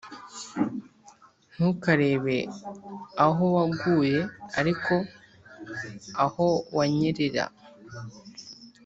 ntukarebe aho waguye, ariko aho wanyerera